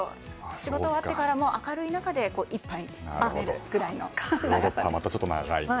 仕事終わってからも明るい中で１杯飲めるくらいの長さです。